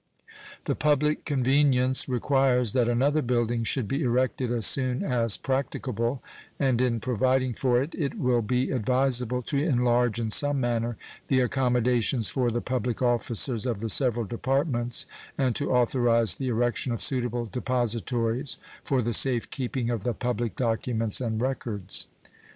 The public convenience requires that another building should be erected as soon as practicable, and in providing for it it will be advisable to enlarge in some manner the accommodations for the public officers of the several Departments, and to authorize the erection of suitable depositories for the safe keeping of the public documents and records.